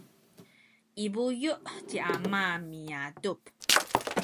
i buyu’ ci ama miadup